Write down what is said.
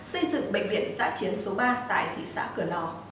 xây dựng bệnh viện giã chiến số ba tại thị xã cửa lò